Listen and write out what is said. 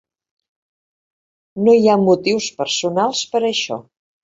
No hi ha motius personals per això.